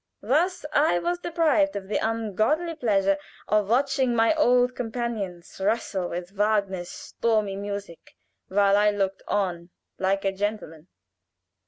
Thus I was deprived of the ungodly pleasure of watching my old companions wrestle with Wagner's stormy music while I looked on like a gentleman."